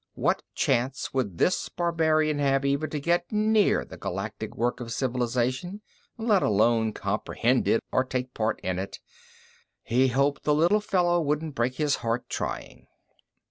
What chance would this barbarian have even to get near the gigantic work of civilization let alone comprehend it or take part in it. He hoped the little fellow wouldn't break his heart trying.